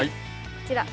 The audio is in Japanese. こちら。